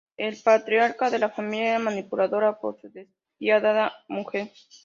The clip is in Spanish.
El patriarca de la familia era manipulado por su despiadada mujer.